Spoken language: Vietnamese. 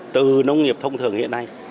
từ nông nghiệp thông thường hiện nay